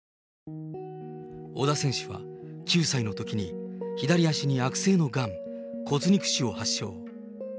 小田選手は９歳のときに左足に悪性のがん、骨肉腫を発症。